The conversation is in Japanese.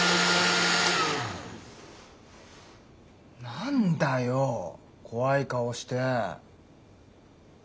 何だよ怖い顔して。